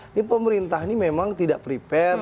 ini pemerintah ini memang tidak prepare